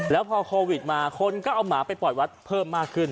แล้วพอโควิดมาคนก็เอาหมาไปปล่อยวัดเพิ่มมากขึ้น